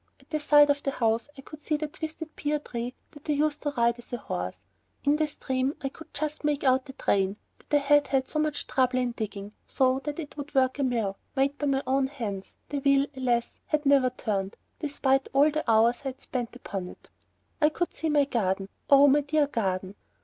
At the side of the house I could see the twisted pear tree that I used to ride as a horse. In the stream I could just make out the drain that I had had so much trouble in digging, so that it would work a mill made by my own hands; the wheel, alas! had never turned, despite all the hours I had spent upon it. I could see my garden. Oh, my dear garden!...